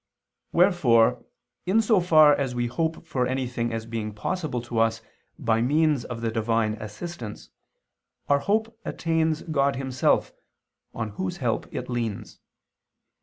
Wherefore, in so far as we hope for anything as being possible to us by means of the Divine assistance, our hope attains God Himself, on Whose help it leans.